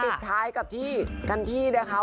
แล้วนะคะปิดท้ายกับที่กันที่นะคะ